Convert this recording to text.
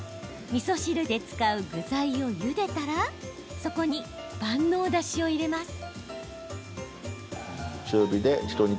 みそ汁で使う具材をゆでたらそこに万能だしを入れます。